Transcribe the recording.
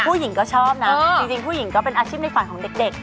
ผู้หญิงก็ชอบนะจริงผู้หญิงก็เป็นอาชีพในฝันของเด็ก